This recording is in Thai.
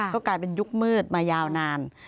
ก็กลายเป็นยุคมืดมายาวนาน